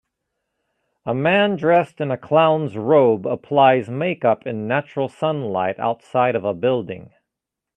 A man dressed in a clown 's robe applies makeup in natural sunlight outside of a building.